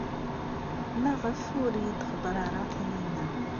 Maɣef ur iyi-d-txebber ara Taninna?